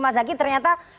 mas zaky ternyata